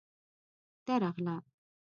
_درغله.